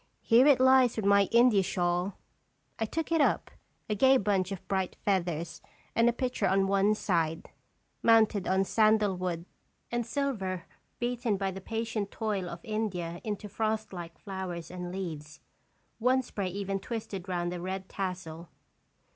Here it lies with my India shawl." I took it up, a gay bunch of bright feathers with a picture on one side, mounted on sandal wood and silver beaten by the patient toil of India into frostlike flowers and leaves, one spray even twisted round the red tassel.